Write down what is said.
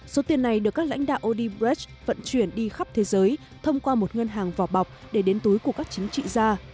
số tiền này được các lãnh đạo odibres vận chuyển đi khắp thế giới thông qua một ngân hàng vỏ bọc để đến túi của các chính trị gia